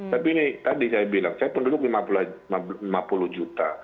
tapi ini tadi saya bilang saya penduduk lima puluh juta